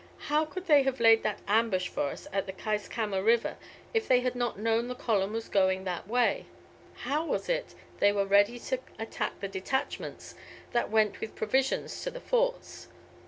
How could they have laid that ambush for us at Keiskamma River if they had not known the column was going that way? How was it they were ready to attack the detachments that went with provisions to the Forts?